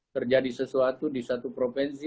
terjadi sesuatu di satu provinsi